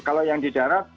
kalau yang di daerah